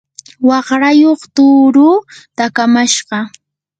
waqrayuq tuurun takamashqa.